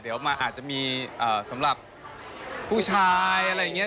เดี๋ยวมันอาจจะมีสำหรับผู้ชายอะไรอย่างนี้